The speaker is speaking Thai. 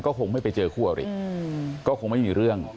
คงไม่ไปเจอคู่อริก็คงไม่มีเรื่อง